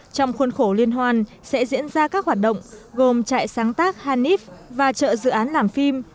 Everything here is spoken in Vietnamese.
trong khuôn khổ liên hoan sẽ diễn ra các hoạt động gồm trại sáng tác hanif và chợ dự án làm phim